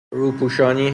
روپوشانی